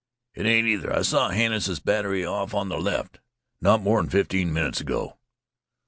"It ain't either. I saw Hannises' batt'ry off on th' left not more'n fifteen minutes ago."